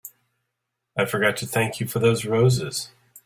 I forgot to thank you for those roses.